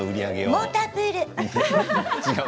モータープール！